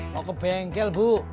mau ke bengkel bu